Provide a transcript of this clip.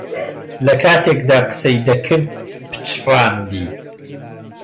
لەکاتێکدا قسەی دەکرد پچڕاندی.